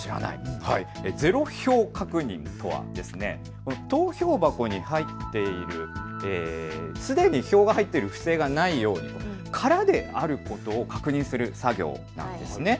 ゼロ票確認とは投票箱にすでに票が入っている不正がないように空であることを確認する作業なんです。